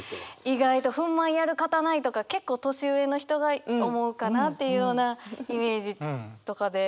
意外と「憤懣やるかたない」とか結構年上の人が思うかなっていうようなイメージとかで。